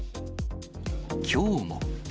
きょうも。